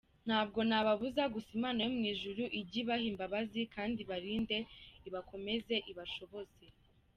Ntabwo nababuza gusa Imana yo mu ijuru ijye ibaha imbabazi kandi ibarinde ibakomeze ibashoboze.